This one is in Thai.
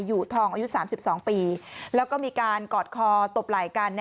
อยู่ทองอายุ๓๒ปีแล้วก็มีการกอดคอตบไหล่กัน